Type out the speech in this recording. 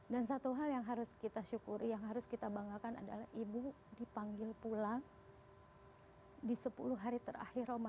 dan satu hal yang harus kita syukuri yang harus kita banggakan adalah ibu dipanggil pulang di sepuluh hari terakhir ramadan